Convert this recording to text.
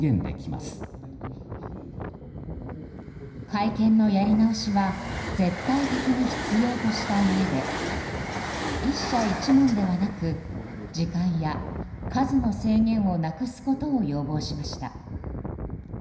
会見のやり直しは絶対的に必要としたうえで１社１問ではなく時間や数の制限をなくすことを要望しました。